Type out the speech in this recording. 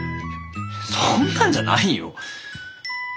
そんなんじゃないよ。